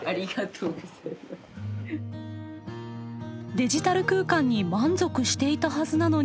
デジタル空間に満足していたはずなのに。